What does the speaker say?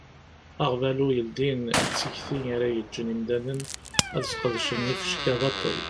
Aɣbalu yeldin d tikti ara yeǧǧen imdanen ad sqedcen ifecka baṭel.